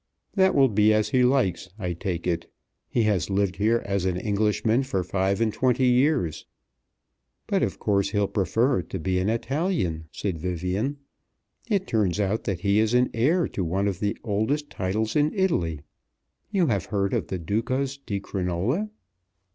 "That will be as he likes, I take it. He has lived here as an Englishman for five and twenty years." "But of course he'll prefer to be an Italian," said Vivian. "It turns out that he is heir to one of the oldest titles in Italy. You have heard of the Ducas di Crinola?"